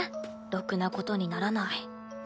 ろくなことにならない。